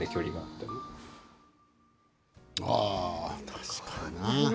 確かにな。